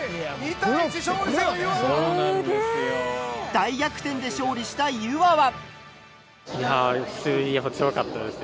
大逆転で勝利したゆわは。